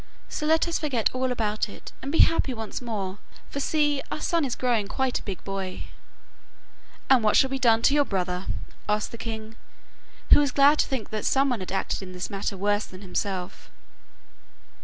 So let us forget all about it, and be happy once more, for see! our son is growing quite a big boy.' 'And what shall be done to your brother?' asked the king, who was glad to think that someone had acted in this matter worse than himself.